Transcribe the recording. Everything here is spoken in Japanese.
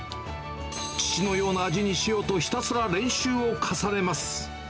父のような味にしようと、ひたすら練習を重ねます。